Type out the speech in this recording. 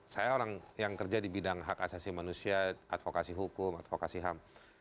saya orang yang kerja di bidang hak asasi manusia advokasi hukum advokasi ham